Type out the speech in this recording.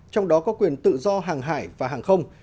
trong đó có quyền tự do hàng hải và hàng không